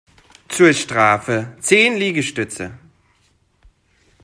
Zur Strafe zehn Liegestütze!